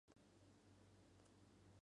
Habla con claridad y simplicidad.